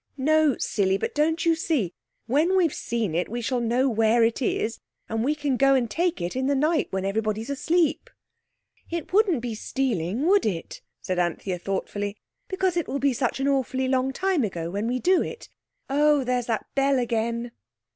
"No, silly. But, don't you see, when we've seen it we shall know where it is, and we can go and take it in the night when everybody is asleep." "It wouldn't be stealing, would it?" said Anthea thoughtfully, "because it will be such an awfully long time ago when we do it. Oh, there's that bell again."